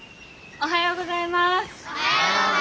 おはようございます。